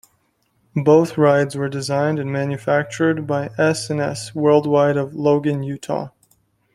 Both rides were designed and manufactured by S and S Worldwide of Logan, Utah.